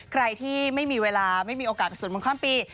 ใครที่ไม่มีเวลาไม่มีโอกาสไปสวดมนต์ข้ามปี